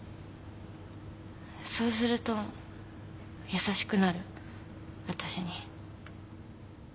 そうすると優しくなるわたしに。